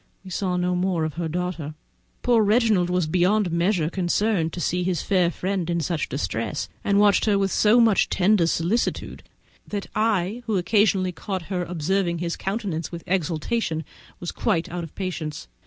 We saw no more of her daughter. Poor Reginald was beyond measure concerned to see his fair friend in such distress, and watched her with so much tender solicitude, that I, who occasionally caught her observing his countenance with exultation, was quite out of patience.